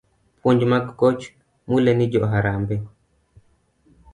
puonj mag koch Mulee ni jo Harambee.